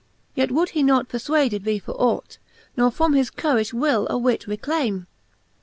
Yet would he not perfwaded be for ought, Ne from his currifli will awhit reclame.